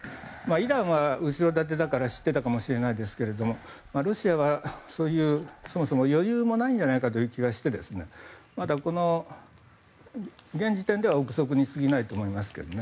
イランは後ろ盾だから知っていたかもしれませんがロシアは、そもそもそういう余裕もないんじゃないかという気がして現時点では憶測にすぎないと思いますけどね。